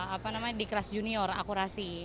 apa namanya di kelas junior akurasi